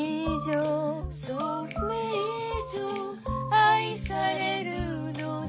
「愛されるのに」